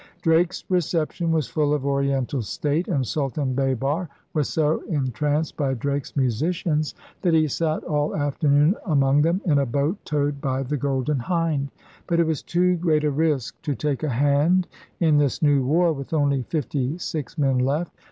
Drake's recep tion was full of Oriental state; and Sultan Baber was so entranced by Drake's musicians that he sat all afternoon among them in a boat towed by the Golden Hind, But it was too great a risk to take a hand in this new war with only fifty six men left.